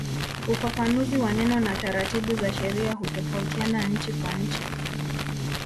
Ufafanuzi wa neno na taratibu za sheria hutofautiana nchi kwa nchi.